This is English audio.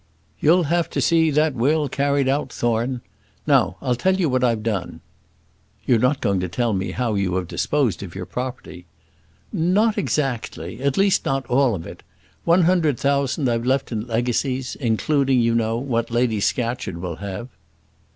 "You'll have to see that will carried out, Thorne. Now I'll tell you what I have done." "You're not going to tell me how you have disposed of your property?" "Not exactly; at least not all of it. One hundred thousand I've left in legacies, including, you know, what Lady Scatcherd will have."